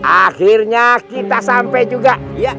akhirnya kita sampai juga